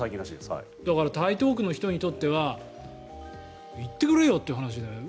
だから台東区の人にとっては行ってくれよって話だよね